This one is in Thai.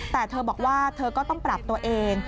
แต่เธอบอกว่าเธอก็ต้องปรับตัวเอง